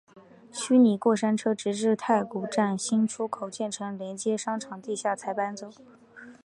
虚拟过山车直至太古站新出口建成连接商场地下才搬走。